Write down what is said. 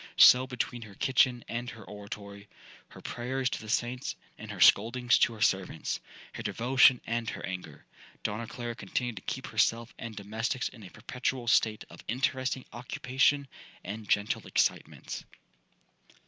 So between her kitchen and her oratory,—her prayers to the saints, and her scoldings to her servants,—her devotion and her anger,—Donna Clara continued to keep herself and domestics in a perpetual state of interesting occupation and gentle excitement.